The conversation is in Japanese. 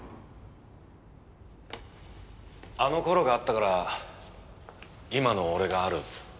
あの頃があったから今の俺がある。